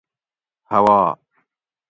ھوا